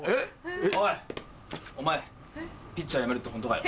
おいお前ピッチャーやめるってホントかよ。